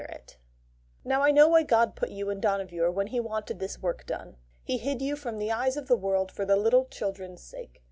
"] "NOW I know why God put you in Dohnavur when He wanted this work done. He hid you from the eyes of the world for the little children's sake.